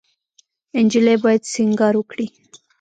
انجلۍ باید سینګار وکړي.